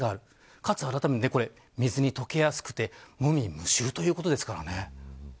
かつ、水に溶けやすくて無味無臭ということですからね。